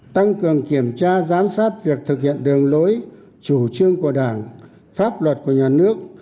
tăng cường kiểm tra giám sát việc thực hiện đường lối chủ trương của đảng pháp luật của nhà nước